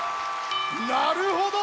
なるほど！